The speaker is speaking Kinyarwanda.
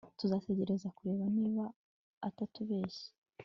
tuzategereza turebe niba atatubeshye